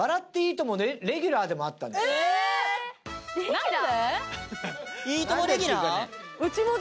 何で？